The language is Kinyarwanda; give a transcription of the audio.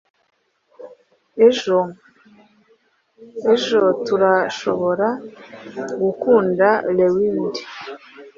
Ejo turashobora gukanda rewind